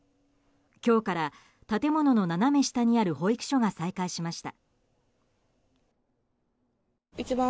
今日から、建物の斜め下にある保育所が再開しました。